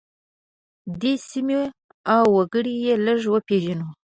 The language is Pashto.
دې سیمې او وګړي یې لږ وپیژنو.